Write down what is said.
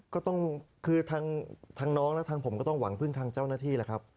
ก็คือทางน้องและทางผมก็ต้องหวังพึ่งทางเจ้าหน้าที่แหละครับ